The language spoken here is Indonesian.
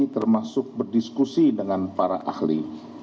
termasuk berdiskusi dengan para ahli